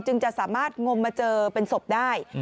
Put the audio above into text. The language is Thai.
จะสามารถงมมาเจอเป็นศพได้